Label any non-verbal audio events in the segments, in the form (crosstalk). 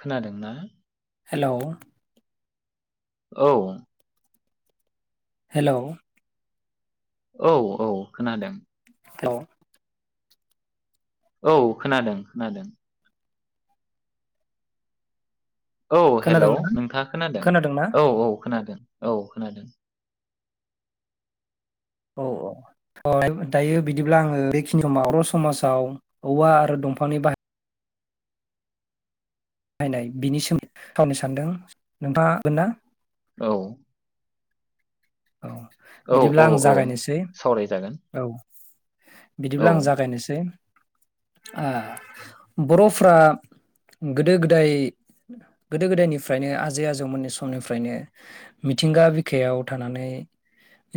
खोनादोंना? हेलौ औ हेलौ औ औ खोनादों औ औ खोनादों खोनादों औ हेलौ खोनादोंना नोंथाङा खोनादों खोनादोंना औ औ खोनादों औ खोनादों औ औ दायो बिदिब्ला आङो बेखिनि समाव बर' समाजाव औवा आरो दंफांनि बाहाय नायनाय बिनि सोमोन्दै खावनो सान्दों नोंथाङा हागोन ना? औ औ औ बिदिब्ला औ आं औ जागायनोसै सावरायजागोन औ औ बिदिब्ला आं जागायनोसै आ बर'फ्रा गोदो गोदाय गोदो गोदायनिफ्रायनो आजै आजौमोननि समनिफ्रायनो मिथिंगा बिखायाव थानानै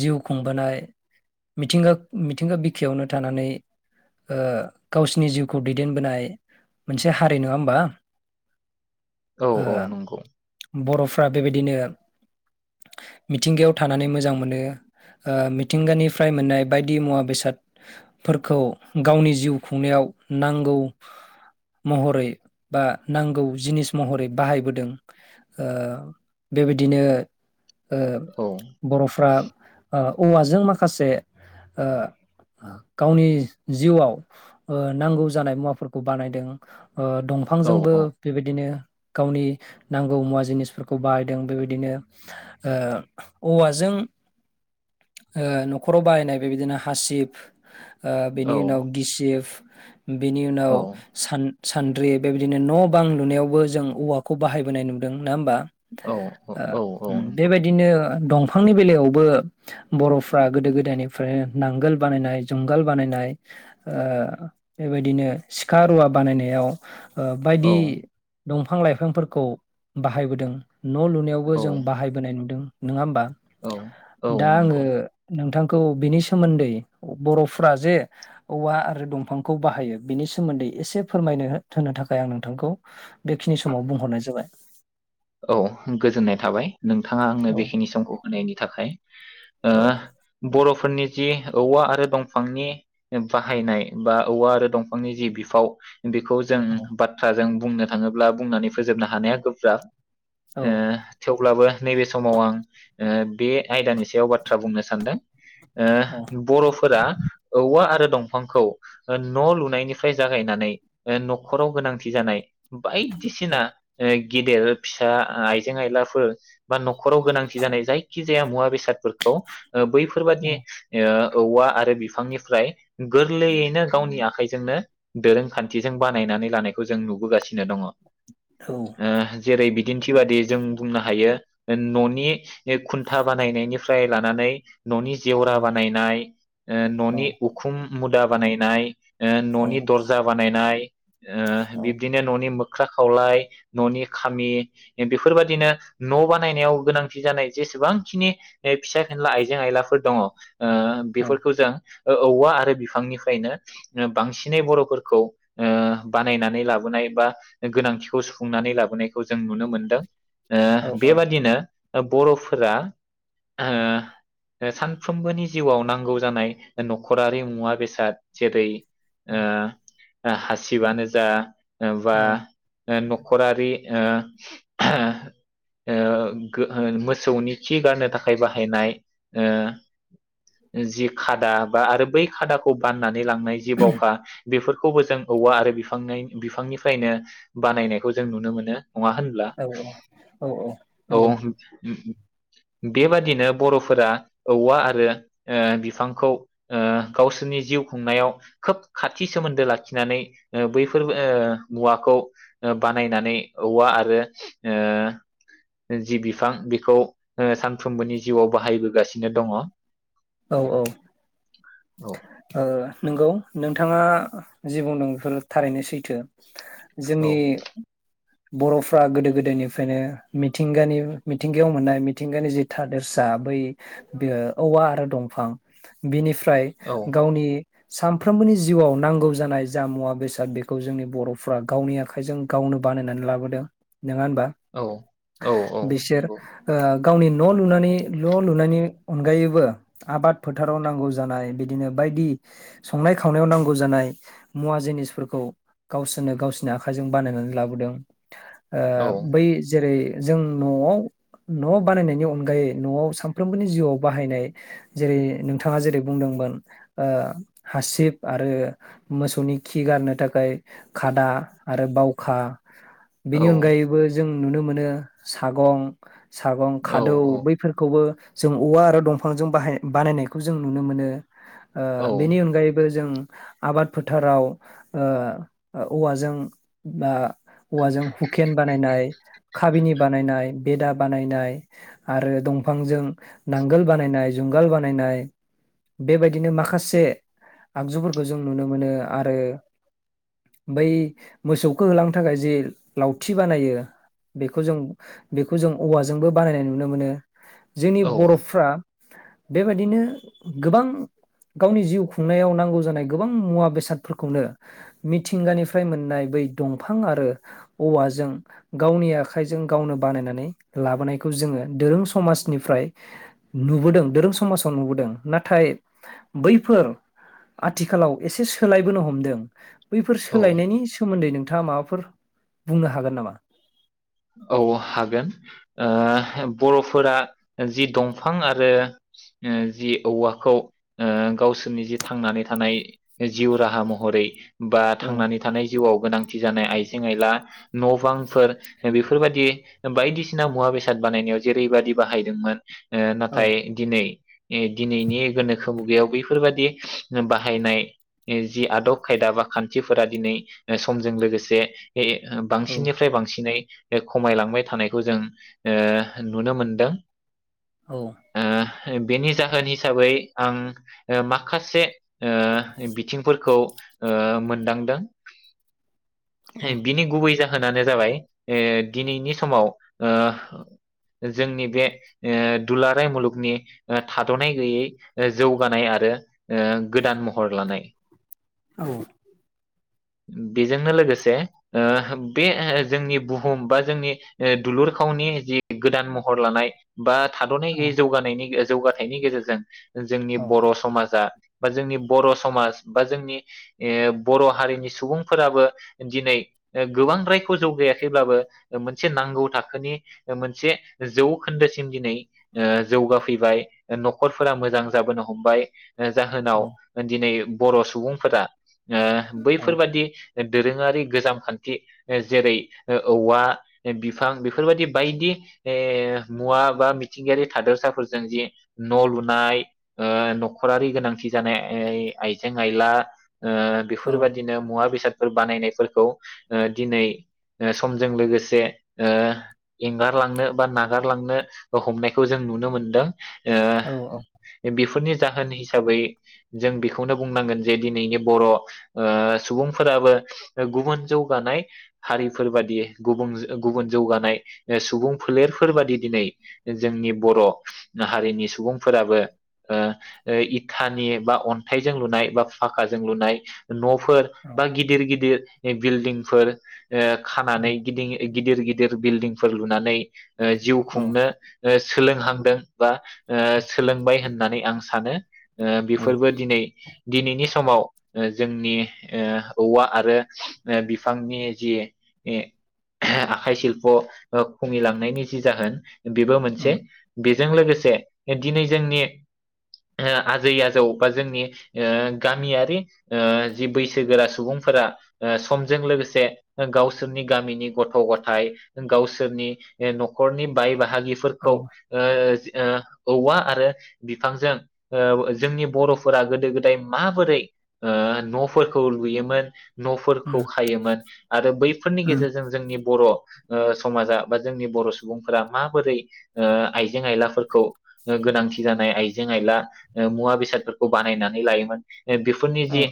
जिउ खुंबोनाय मिथिंगा मिथिंगा बिखायावनो थानानै ओ गावसिनि जिउखौ दैदेनबोनाय मोनसे हारि नङा ओमबा औ औ नंगौ बर'फ्रा बेबायदिनो मिथिंगायाव थानानै मोजां मोनो ओ मिथिंगानिफ्राय मोननाय बायदि मुवा बेसादफोरखौ गावनि जिउ खुंनायाव नांगौ महरै बा नांगौ जिनिस महरै बाहायबोदों ओ बेबायदिनो ओ औ बर'फ्रा ओ औवाजों माखासे ओ गावनि जिउआव ओ नांगौ जानाय मुवाफोरखौ बानायदों ओ औ दंफांजोंबो औ बेबायदिनो गावनि नांगौ मुवा जिनिसफोरखौ बाहायदों बेबायदिनो ओ औवाजों ओ न'खराव बाहायनाय बेबायदिनो हासिब ओ बेनि उनाव गिसिफ बेनि उनाव औ सान सान्द्रि बेबायदिनो न' बां लुनायावबो जों औवाखौ बाहायबोनाय नुदों नङा होमबा? औ औ औ औ बेबायदिनो दंफांनि बेलायावबो बर'फ्रा गोदो गोदायनिफ्रायनो नांगोल बानायनाय जुंगाल बानायनाय ओ बेबायदिनो सिखा रुवा बानायनायाव ओ औ बायदि दं बिफां लाइफांफोरखौ बाहायबोदों न' लुनायावबो औ जों बाहाय नुदों नङा होमबा औ औ दा आङो नंगौ नोंथां खौ बिनि सोमोन्दै बर'फ्रा जे औवा आरो दंफांखौ बाहायो बिनि सोमोन्दै एसे फोरमायनो होनो थाखाय आं नोंथांखौ बेखिनि समाव बुंहरनाय जाबाय औ गोजोननाय थाबाय। नोंथाङा आंनो औ बेखिनि समखौ होनायनि थाखाय। ओ औ बर'फोरनि जि औवा आरो दंफांनि बाहायनाय, बा औवा आरो दंफांनि जि बिफाव बेखौ जों औ बाथ्राजों बुंनो थाङोब्ला बुंनानै फोजोबनो हानाया गोब्राब। औ आ थेव अब्लाबो नैबे समाव आं ओ बे आयदानि सायाव बाथ्रा बुंनो सानदों औ ओ बर'फोरा औवा आरो दंफांखौ न' लुनायनिफ्राय जागायनानै ओ न'खराव गोनांथि जानाय औ बायदिसिना (unintelligible) (unintelligible) फिसा आइजें आयलाफोर बा न'खराव गोनांथि जानाय जायखिजाया जे मुवा-बेसादफोरखौ औ बैफोरबादि ओ औवा आरो फांनिफ्राय गोरलैयैनो गावनि आखाइजोंनो दोरोंखान्थिजों बानायनानै लानायखौ जों नुबोगासिनो दङ। औ (unintelligible) बिदिन्थि बादि जों बुंनो हायो न'नि खुन्था बानायनायनिफ्राय लानानै न'नि जेवरा बानायनाय औ न'नि उखुम मुदा बानायनाय ओ न'नि दरजा बानायनाय औ ओ बिब्दिनो ननि मो ख्रा खावलाय न'नि खामि बेफोरबायदिनो न' बानायनायाव गोनांथि जानाय जेसेबांखिनि फिसा फिनला आइजें आइलाफोर दङ ओ औ बेफोरखौ जों ओ औवा आरो बिफांनिफ्रायनो बांसिनै बर'फोरखौ ओ बानायनानै लाबोनाय बा गोनांथिखौ सुफुंनानै लाबोनाय खौ जों नुनो मोनदों। ओ बे बादिनो बर'फोरा ओ सानफ्रोमबोनि जिउआव नांगौ जानाय न'खरारि मुवा बेसाद जेरै- ओ हासिबानो जा ओ बा ओ नख खरारि ओ ओ ओ ओ मोसौनि खि गारनो थाखाय बाहायनाय ओ जि खादा बा आरो बै खादाखौ बाननानै लांनाय जि बावखा बेफोरखौबो जों औवा आरो बिफांनाय- बिफांनिफ्रायनो बानायनायखौ जों नुनो मोनो नङा होनब्ला औ औ नंगौ औ ओ औ (unintelligible) बेबादिनो बर'फोरा औवा आरो ओ बिफांखौ ओ गावसोरनि जिउ खुंनायाव खोब खाथि सोमोन्दो लाखिनानै ओ बैफोर ओ मुवाखौ बानायनानै औवा आरो ओ जि बिफां बेखौ ओ सानफ्रोमबोनि जिउआव बाहायबोगासिनो दङ औ औ ओ नंगौ नोंथाङा जि बुंदों बेफोरो थारैनो सैथो औ जोंनि बर'फ्रा गोदो गोदायनिफ्रायनो मिथिंगानि मिथिंगायाव मोननाय मिथिंगानि जि थादेरसा बै बे औवा आरो दंफां बिनिफ्रा फ्राय औ गावनि सानफ्रोमबोनि जिउआव नांगौ जानाय जा मुवा बेसाद बेखौ जोंनि बर'फ्रा गावनि आखाइजों गावनो बानायनानै लाबोदों नङा होनबा औ औ औ बिसोर नंगौ ओ गावनि न' लुनानै न' लुनायनि अनगायैबो आबाद फोथाराव नांगौ जानाय बिदिनो बायदि संनाय खावनायाव नांगौ जानाय मुवा जिनिसफोरखौ गावसोरनो गावसोरनि आखाइजों बानायनानै लाबोदों ओ औ बै जेरै जों न'आव न' बानायनायनि अनगायै न'आव सानफ्रोमबोनि जिउआव बाहायनाय जेरै नोंथाङा जेरै बुंदोंमोन ओ हासिब आरो मोसौनि खि गारनो थाखाय खादा आरो बावखा औ बेनि अनगायैबो जों नुनो मोनो सागं सागं खादौ औ बैफोरखौबो जों औवा आरो दंफांजों बाहाय बानायनायखौ जों नुनो मोनो ओ औ बेनि अनगायैबो जों आबाद फोथाराव ओ औवाजों बा औवाजों हुकेन बानायनाय खाबिनि बानायनाय बेदा बानायनाय आरो दंफांजों नांगोल बानायनाय जुंगा गाल बानायनाय बेबायदिनो माखासे आगजुफोरखौ जों नुनो मोनो आरो बै मोसौखौ होलांनो थाखाय जे लावथि बानायो बेखौ जों बेखौ जों औवाजोंबो बानायनाय नुनो मोनो जोंनि औ बर'फ्रा बेबायदिनो गोबां गावनि जिउ खुंनायाव नांगौ जानाय गोबां मुवा बेसादफोरखौनो मिथिंगानिफ्राय मोननाय बै दंफां आरो औवाजों गावनि आखाइजों गावनो बानायनानै लाबोनायखौ जोङो दोरों समाजनिफ्राय नुबोदों दोरों स समाजाव नुबोदों नाथाय बैफोर आथिखालाव एसे सोलायबोनो हमदों बैफोर औ सोलायनायनि सोमोनदै नों नोंथाङा माबाफोर बुंनो हागोन नामा? औ हागोन ओ बर'फोरा जि दंफां आरो ओ जि औवाखौ ओ गावसोरनि जि थांनानै थानाय जिउ राहा महरै बा औ थांनानै थानाय जिउआव गोनांथि जानाय आइजें आइला न'बां फोर बेफोरबायदि बायदिसिना मुवा बेसाद बानायनायाव जेरैबायदि बाहायदोंमोन ओ औ नाथाय दिनै दिनैनि गोनोखो मुगयाव बैफोरबायदि बाहायनाय जि आदब खायदा बा खानथिफोरा दिनै समजों लोगोसे ओ औ बांसिननिफ्राय बांसिनै एक खमायलांबाय थानायखौ जों ओ नुनो मोनदों औ ओ बेनि जाहोन हिसाबै आं ओ माखासे ओ बिथिंफोरखौ ओ मोन दांदों औ बिनि गुबै जा होनानो जाबाय ए दिनैनि समाव ओ जोंनि बे ओ दुलाराय मुलुगनि अ थाद'नाय गैयै अ जौगानाय आरो ओ गोदान महर लानाय औ बेजोंनो लोगोसे ओ बे जोंनि बु हुम बा जोंनि ओ दुलुर खावनि जि गोदान महर लानाय बा थाद'नाय औ गोयै जौगानायनि जौगाथायनि गेजेरजों जोंनि औ बर' समाजा बा जोंनि बर' समाज बा जोंनि ओ बर' हारिनि सुबुंफोराबो दिनै गोबां रायखौ जौगाया खैब्लाबो मोनसे नांगौ थाखोनि मोनसे जौखोन्दोसिम दिनै ओ जौगाफैबाय न'खरफोरा मोजां जाबोनो हमबाय औ जाहोनाव दिनै बर' सुबुंफोरा ओ बैफोरबादि दोरोङारि गोजाम खान्थि जेरै औवा बिफां बेफोरबायदि बायदि मुवा बा मिथिंगायारि थादोरसाफोरजों जि न' लुनाय ओ न'खरारि गोनांथि जानाय आइजें आयला ओ औ बेफोरबायदिनो मुवा बेसाद फोर बानायनायफोरखौ ओ दिनै ओ समजों लोगोसे ओ एंगारलांनो बा नागारलांनो हमनायखौ जों नुनो मोनदों औ ओ बेफोरनि जाहोन हिसाबै जों बेखौनो बुंनांगोन जे दिनैनि बर' ओ सुबुंफोराबो गुबुन जौगानाय हारि फोरबादि गुबुं गुबुन जौगानाय सुबुं‌‌ फोलेरफोरबादि दिनै‌ जोंनि बर' हारिनि सुबुंफोराबो ओ इथानि‌ बा अन्थाइजों लुनाय बा फाक्काजों लुनाय न' फोर बा गिदिर गिदिर बिल्डिंफोर ओ खानानै गिदिं गिदिर गिदिर बिल्डिंफोर लुनानै जिउ खुंनो सोलोंहांदों बा सोलोंबाय होननानै आं सानो औ बेफोरबो दिनै दिनैनि समाव जोंनि औवा आरो बिफांनि जि आखाइ सिल्प' खमिलांनायनि जि जाहोन बेबो मोनसे उम जों लोगोसे दिनै जोंनि आजै आजौ बा जोंनि गामियारि जि बैसोगोरा सुबुंफोरा समजों लोगोसे गावसोरनि गामिनि गथ' गथाय गावसोरनि न'खरनि बाय बाहागि बाहागिफोरखौ औवा आरो बिफांजों जोंनि बर'फोरा गोदो गोदाय माबोरै न'फोरखौ लुयोमोन न'फोरखौ खायोमोन बैफोरनि औ उम गेजेरजों जोंनि बर' समाजा बा जोंनि बर' सुबुंफोरा माबोरै आइजें आइलाफोरखौ गोनांथि जानाय आइजें आइला मुवा बेसादफोरखौ बानायनानै लायोमोन ए बेफोरनि औ जि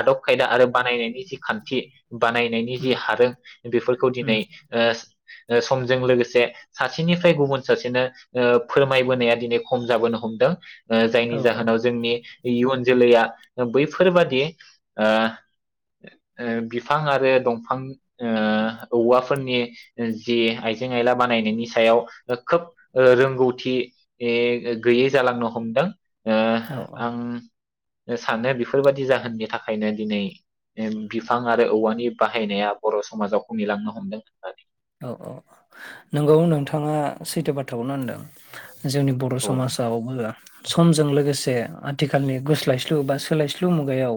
आदब खायदा आरो बानायनायनि जि खान्थि बानायनाय जि उम हादों बेफोरखौ उम दिनै समजों लोगोसे सासेनिफ्राय गुबुन सासेनो ओ फोरमायबोनाया दिनै खम जाबोनो हमदों ओ औ जायनि जाहोनाव जोंनि इयुन जोलैया बैफोरबादि ओ बिफां आरो दंफां बिफां ओ औवाफोरनि जि आइजें आयला बानायनायनि सायाव खोब रोंगौथि गैयै जालांनो हमदों ओ औ औ आं साननाया बेफोरबायदि जाहोननि थाखायनो दिनै बिफां आरो औवानि बाह बाहायनाया बर' समाजाव खमिलांनो हमदों होननानै औ औ नंगौ नोंथाङा सैथो बाथ्राखौनो होनदों जोंनि बर' औ समाजावबो समजों लोगोसे आथिखालनि गोस्लायस्लु बा सोलायस्लु मुगायाव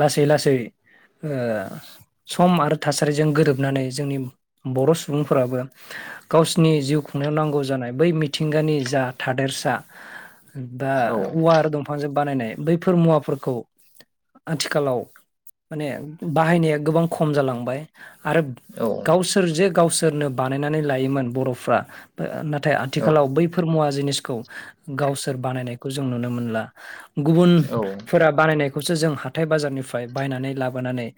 लासै लासै ओ सम आरो थासारिजों गोरोबनानै जोंनि बर' सुबुंफोराबो गावसिनि जिउ खुंनायाव नांगौ जानाय बै मिथिंगानि जा थादेरसा दा औ औवा आरो दंफांजों बानायनाय बैफोर मुवाफोरखौ आथिखालाव माने बाहायनाया गोबां खम जालांबाय आरोब औ जे गावसोरनो बानायनानै लायोमोन बर'फ्रा नाथाय औ आथिखालाव बै फोर‌ मुआ जिनिसखौ गावसोर बानायनायखौ जों नुनो मोनला औ गुबुनफोरा बानायनाय बेखौसो जों हाथाय बाजारनिफ्राय बायनानै लाबोनानै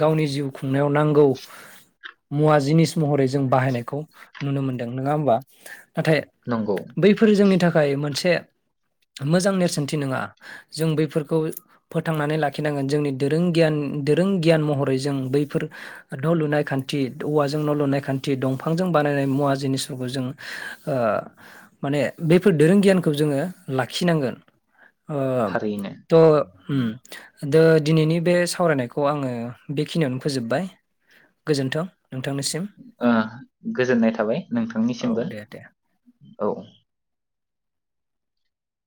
गावनि जिउ खुंनायाव नांगौ मुवा जिनिस महरै जों बाहायनायखौ नुनो मोनदों नङा होमबा नाथाय नंगौ बैफोर जोंनि थाखाय थाखाय मोनसे मोजां नेरसोनथि नङा जों बैफोरखौ फोथांनानै लाखिनांगोन जोंनि दोरों गियान दोरों गियान महरै जों बैफोर न लुनाय खान्थि खान्थि औवाजों न' लुनाय खान्थि दंफांजों बानायनाय मुवा जिनिसफोरखौ जों ओ माने बेफोर दोरों गियानखौ जोङो लाखिनांगोन ओ थारैनो थ उम दा दिनैनि बे सावरायनायखौ आङो बेखिनियावनो फोजोबबाय गोजोन्थों नोंथांनिसिम ओ गोजोननाय थाबाय औ नोंथांनिसिमबो दे दे औ